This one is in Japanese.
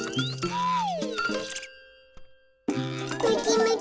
はい！